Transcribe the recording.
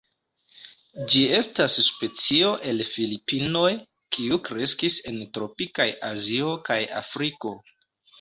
Ĝi estas specio el Filipinoj, kiu kreskis en tropikaj Azio kaj Afriko.